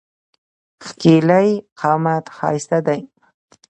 ښکېلی قامت ښایسته دی.